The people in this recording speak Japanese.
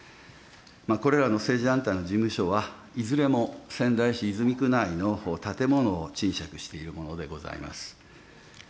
これらの政治団体の事務所は、いずれも仙台市泉区内の建物を賃借しているものでございます。